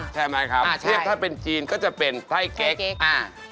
ใช่ไหมครับเชฟถ้าเป็นจีนก็จะเป็นไพ่เก๊กเก๊กอ่า